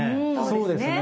そうですね。